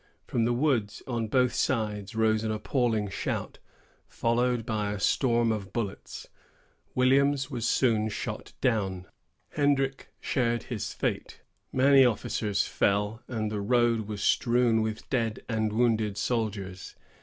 From the woods on both sides rose an appalling shout, followed by a storm of bullets. Williams was soon shot down; Hendrick shared his fate; many officers fell, and the road was strewn with dead and wounded soldiers.